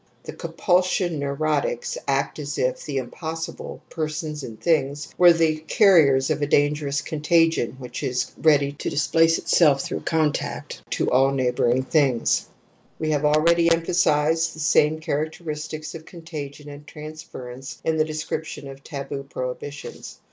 The compul sion neurotics act as if the * impossible ' persons and things were the carriers of a dangerous con tagion which is ready to displace itself through contact to all neighbouring things. We have already emphasized the same characteristics of contagion and transference in the description of taboo prohibitions.